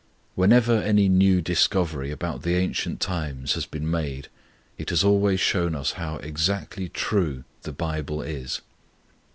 Whenever any new discovery about the ancient times has been made it has always shown us how exactly true the Bible is.